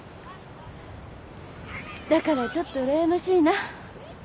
だからちょっとうらやましいな。